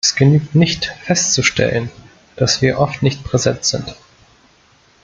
Es genügt nicht, festzustellen, dass wir oft nicht präsent sind.